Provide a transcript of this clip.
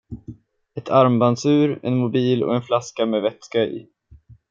Ett armbandsur, en mobil och en flaska med vätska i.